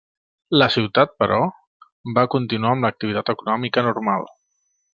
La ciutat, però, va continuar amb l'activitat econòmica normal.